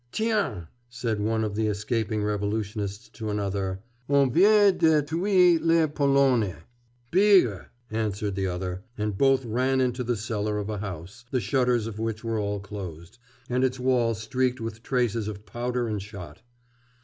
'Tiens!' said one of the escaping revolutionists to another, 'on vient de tuer le Polonais!' 'Bigre!' answered the other, and both ran into the cellar of a house, the shutters of which were all closed, and its wall streaked with traces of powder and shot.